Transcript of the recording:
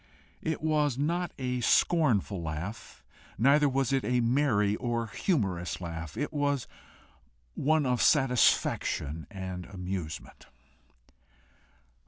It was not a scornful laugh, neither was it a merry or a humorous laugh; it was one of satisfaction and amusement.